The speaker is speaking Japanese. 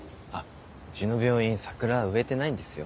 うちの病院桜植えてないんですよ。